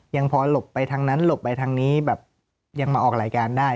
ยังพอหลบไปทางนั้นหลบไปทางนี้แบบยังมาออกรายการได้